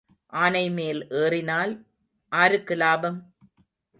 ஆனைமேல் ஏறினால் ஆருக்கு லாபம்?